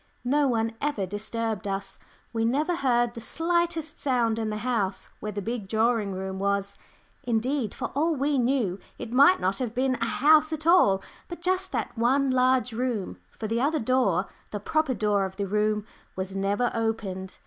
No one ever disturbed us we never heard the slightest sound in the house where the big drawing room was; indeed, for all we knew, it might not have been a house at all, but just that one large room, for the other door the proper door of the room was never opened.